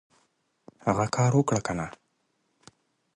هغه کار اوکړه کنه !